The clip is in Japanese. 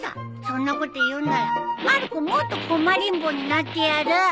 そんなこと言うんならまる子もっと困りんぼになってやる！